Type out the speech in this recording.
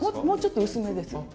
もうちょっと薄めです。